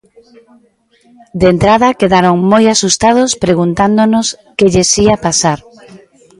De entrada quedaron moi asustados preguntándonos que lles ía pasar.